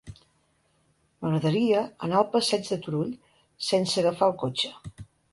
M'agradaria anar al passeig de Turull sense agafar el cotxe.